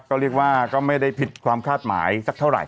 ก็เรียกว่าก็ไม่ได้ผิดความคาดหมายสักเท่าไห